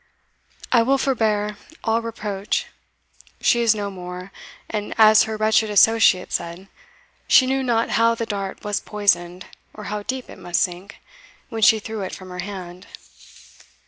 I will forbear all reproach. She is no more and, as her wretched associate said, she knew not how the dart was poisoned, or how deep it must sink, when she threw it from her hand.